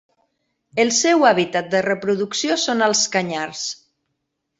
El seu hàbitat de reproducció són els canyars.